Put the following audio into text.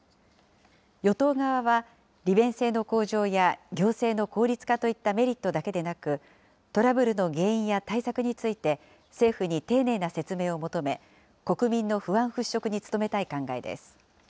与党側は、利便性の向上や行政の効率化といったメリットだけでなく、トラブルの原因や対策について、政府に丁寧な説明を求め、国民の不安払拭に努めたい考えです。